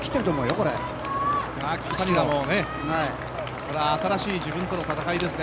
これは新しい自分との戦いですね。